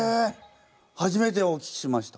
初めてお聞きしました。